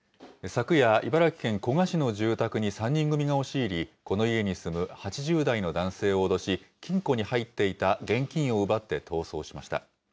昨夜、茨城県古河市の住宅に３人組が押し入り、この家に住む８０代の男性を脅し、金庫に入っていた現金を奪って逃走しました。